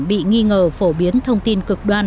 bị nghi ngờ phổ biến thông tin cực đoan